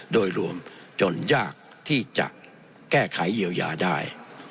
โดยรวมจนยากที่จะแก้ไขเยียวยาได้